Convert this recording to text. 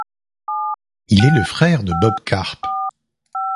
Il est le frère de Bob Karp.